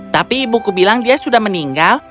tapi ibuku bilang dia sudah meninggal